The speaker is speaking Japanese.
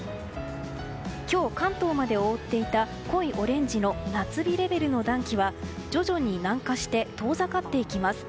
今日、関東までを覆っていた濃いオレンジの夏日レベルの暖気は徐々に南下して遠ざかっていきます。